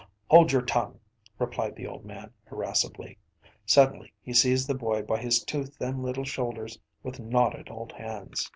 “Hold your tongue!‚ÄĚ replied the old man, irascibly. Suddenly he seized the boy by his two thin little shoulders with knotted old hands.